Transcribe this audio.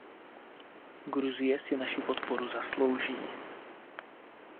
Gruzie si naši podporu zaslouží.